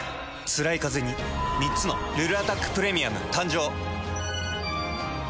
つらいカゼに３つの「ルルアタックプレミアム」誕生。